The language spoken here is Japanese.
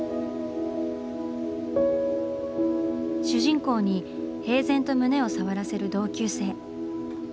主人公に平然と胸を触らせる同級生。